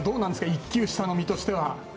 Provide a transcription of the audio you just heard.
１級下の身としては。